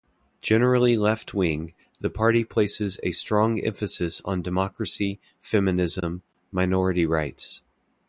Generally left-wing, the party places a strong emphasis on democracy, feminism, minority rights.